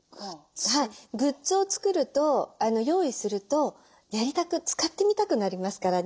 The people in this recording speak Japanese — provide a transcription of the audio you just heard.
グッズを作ると用意するとやりたく使ってみたくなりますから。